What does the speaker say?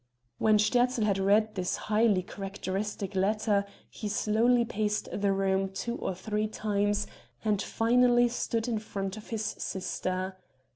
When Sterzl had read this highly characteristic letter he slowly paced the room two or three times, and finally stood still in front of his sister.